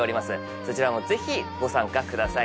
そちらもぜひご参加ください